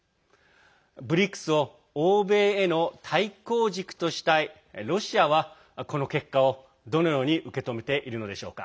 ＢＲＩＣＳを欧米への対抗軸としたいロシアはこの結果を、どのように受け止めているのでしょうか。